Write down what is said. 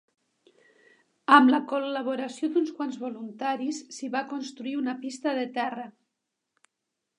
Amb la col·laboració d'uns quants voluntaris s'hi va construir una pista de terra.